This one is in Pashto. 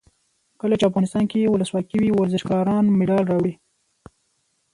کله چې افغانستان کې ولسواکي وي ورزشکاران مډال راوړي.